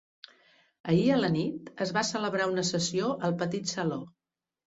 Ahir a la nit es va celebrar una sessió al petit saló.